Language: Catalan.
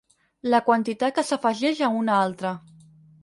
La quantitat que s'afegeix a una altra.